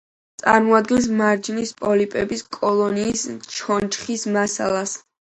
წარმოადგენს მარჯნის პოლიპების კოლონიის ჩონჩხის მასალას.